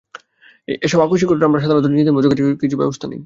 এসব আকস্মিক ঘটনায় আমরা সাধারণত নিজেদের মতো করে কিছু ব্যবস্থা নিই।